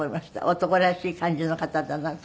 男らしい感じの方だなと思って。